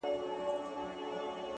• ارمانونه یې ګورته وړي دي ,